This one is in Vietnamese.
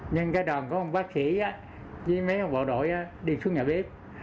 nhưng cái đòn có ông bác sĩ với mấy ông bộ đội đi xuống nhà bếp